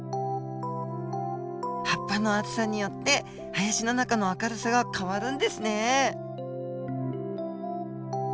葉っぱの厚さによって林の中の明るさが変わるんですね。